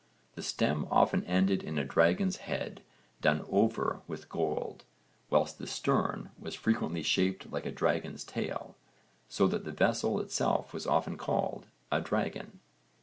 The stem often ended in a dragon's head done over with gold, whilst the stern was frequently shaped like a dragon's tail, so that the vessel itself was often called a dragon.